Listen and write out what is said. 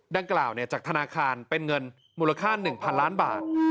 ดังกล่าวจากธนาคารเป็นเงินมูลค่า๑๐๐๐ล้านบาท